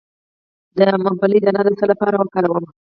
د ممپلی دانه د څه لپاره وکاروم؟